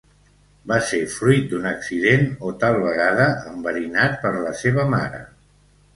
Va ser fruit d'un accident o, tal vegada, enverinat per la seva mare.